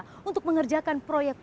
yang ketiga sebagai perusahaan